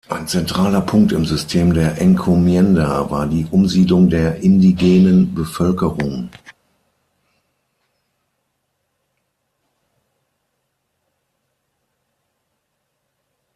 Ein zentraler Punkt im System der Encomienda war die Umsiedlung der indigenen Bevölkerung.